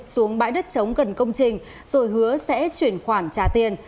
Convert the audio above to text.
xuống bãi đất chống gần công trình rồi hứa sẽ chuyển khoản trả tiền